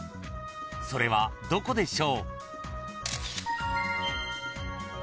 ［それはどこでしょう？］